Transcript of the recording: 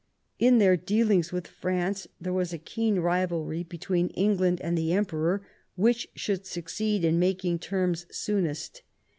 In their dealings with France there was a keen rivalry between England and the Emperor, which should succeed in making terms soonest.